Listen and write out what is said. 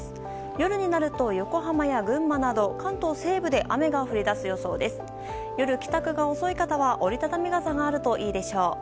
夜、帰宅が遅い方は折り畳み傘があるといいでしょう。